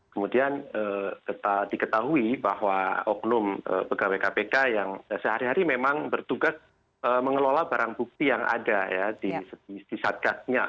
kemudian diketahui bahwa oknum pegawai kpk yang sehari hari memang bertugas mengelola barang bukti yang ada ya di satgasnya